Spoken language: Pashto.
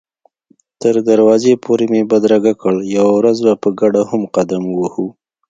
تر دروازې پورې مې بدرګه کړ، یوه ورځ به په ګډه قدم هم ووهو.